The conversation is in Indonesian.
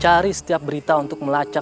cari setiap berita untuk melacak